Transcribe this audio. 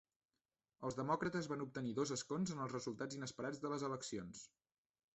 Els demòcrates van obtenir dos escons en els resultats inesperats de les eleccions.